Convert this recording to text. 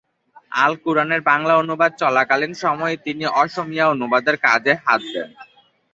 আল-কুরআনের বাংলা অনুবাদ চলাকালীন সময়েই তিনি অসমীয়া অনুবাদের কাজে হাত দেন।